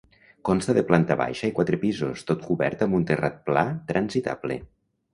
Consta de planta baixa i quatre pisos, tot cobert amb un terrat pla transitable.